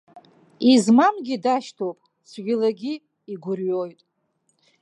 Измамгьы дашьҭоуп, цәгьалагьы игәырҩоит.